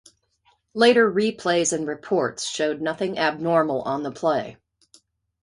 Later replays and reports showed nothing abnormal on the play.